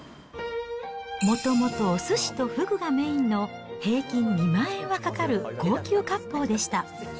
もともとおすしとフグがメインの、平均２万円はかかる高級割烹でした。